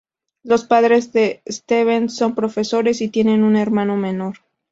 Los padres de Stevens son profesores y tiene un hermano menor.